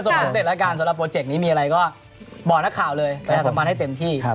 สำเร็จแล้วการสำหรับโปรเจกต์นี้มีอะไรก็บอกนักข่าวเลยสำบัดให้เต็มที่